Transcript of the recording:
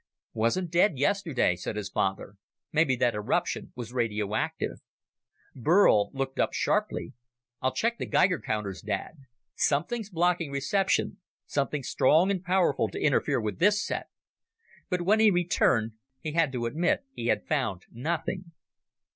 "Wasn't dead yesterday," said his father. "Maybe that eruption was radioactive." Burl looked up sharply. "I'll check the Geiger counters, Dad. Something's blocking reception, something strong and powerful to interfere with this set." But when he returned, he had to admit he had found nothing.